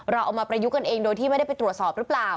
เอามาประยุกต์กันเองโดยที่ไม่ได้ไปตรวจสอบหรือเปล่า